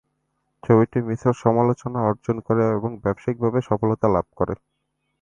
ছবিটি মিশ্র সমালোচনা অর্জন করে এবং ব্যবসায়িকভাবে সফলতা লাভ করে।